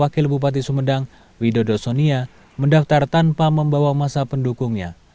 di sumedang widodo sonia mendaftar tanpa membawa masa pendukungnya